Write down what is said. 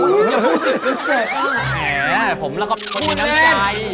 แหละผมแล้วก็มีคนที่นั่งใจ